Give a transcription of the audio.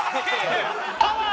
パワー！